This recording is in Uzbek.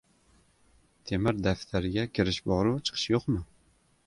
«Temir daftar»ga kirish boru, chiqish yo‘qmi?